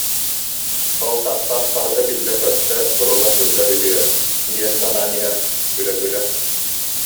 Ол таспар барыта биллэ-көстө, сурулла сылдьар үһүө диэн санаан иһэн, күлэ-күлэ: